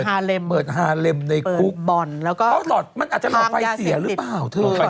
อาจจะหลอดไฟเสียหรือเปล่า